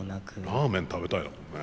ラーメン食べたいだもんね。